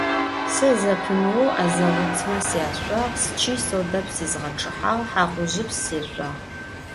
Сэ зэпымыоу ӏэзэгъу уцмэ сяшъуагъ, счый содэпс изгъэчъыхьагъ, хьакъужъыпс сешъуагъ.